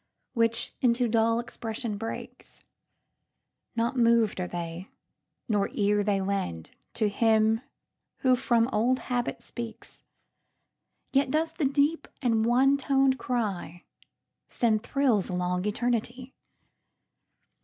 Which into dull expression breaks, Not mov'd are they, nor ear they lendTo him who from old habit speaks; Yet does the deep and one ton'd crySend thrills along eternity.